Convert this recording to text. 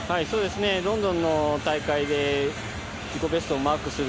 ロンドンの大会で自己ベストをマークする。